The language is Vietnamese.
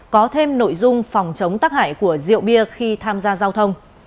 có thêm nội dung phòng chống tắc hại của rượu bia khi tham gia giao thông